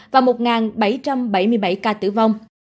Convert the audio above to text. và một bảy trăm bảy mươi bảy ca tử vong